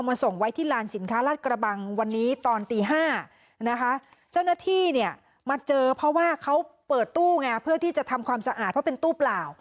มาเจอเพราะว่าเขาเปิดตู้ไงเพื่อที่จะทำความสะอาดเพราะเป็นตู้เปล่า